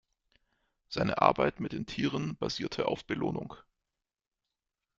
Seine Arbeit mit den Tieren basierte auf Belohnung.